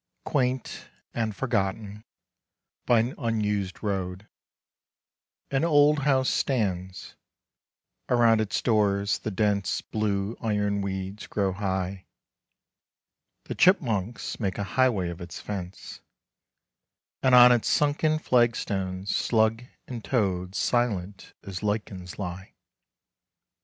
Quaint and forgotten, by an unused road, An old house stands: around its doors the dense Blue iron weeds grow high; The chipmunks make a highway of its fence; And on its sunken flagstones slug and toad Silent as lichens lie.